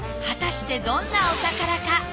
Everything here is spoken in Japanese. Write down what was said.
果たしてどんなお宝か。